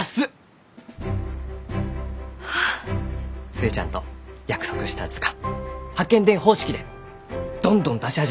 寿恵ちゃんと約束した図鑑八犬伝方式でどんどん出し始めるき。